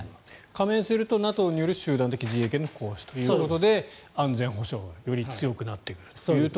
加盟するとＮＡＴＯによる集団的自衛権の行使ということで安全保障がより強くなってくると。